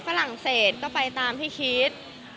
ฝรั่งเศสก็ไปตามที่คิด